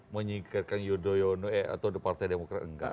menyingkirkan yudhoyono eh atau partai demokrat enggak